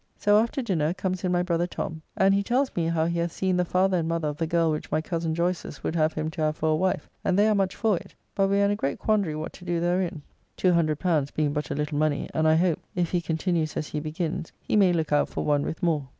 So after dinner comes in my brother Tom, and he tells me how he hath seen the father and mother of the girl which my cozen Joyces would have him to have for a wife, and they are much for it, but we are in a great quandary what to do therein, L200 being but a little money; and I hope, if he continues as he begins, he may look out for one with more.